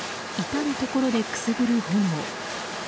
至るところでくすぶる炎。